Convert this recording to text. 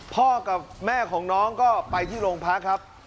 พ่อกับแม่ของน้องก็ไปที่โรงพักครับ